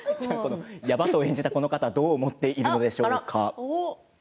ヤバ藤を演じたこの方はどう思っているんでしょうか。